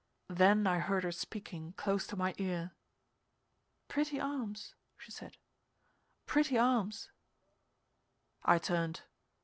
Then I heard her speaking close to my ear. "Pretty arms," she said. "Pretty arms!" I turned.